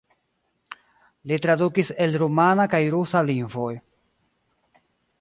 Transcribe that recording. Li tradukis el rumana kaj rusa lingvoj.